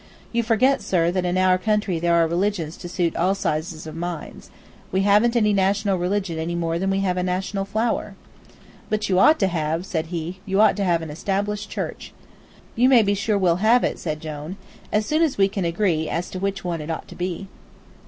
You forget, sir, that in our country there are religions to suit all sizes of minds. We haven't any national religion any more than we have a national flower." "But you ought to have," said he; "you ought to have an established church." "You may be sure we'll have it," said Jone, "as soon as we agree as to which one it ought to be."